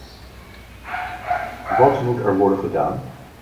Wat moet er worden gedaan?